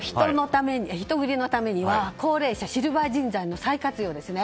人繰りのためには高齢者、シルバー人材の再活用ですね。